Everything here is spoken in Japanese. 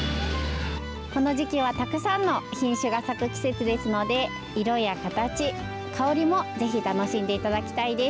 この時期は、たくさんの品種が咲く季節ですので色や形、香りもぜひ楽しんでいただきたいです。